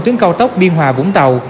tuyến cao tốc biên hòa vũng tàu